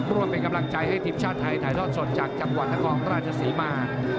ร่วมเป็นกำลังใจให้ทีมชาติไทยถ่ายทอดสดจากจังหวัดนครราชศรีมา